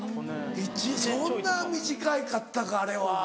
そんな短かったかあれは。